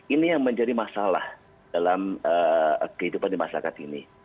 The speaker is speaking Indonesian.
ini yang menjadi masalah dalam kehidupan di masyarakat ini